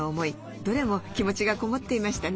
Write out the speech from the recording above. どれも気持ちがこもっていましたね。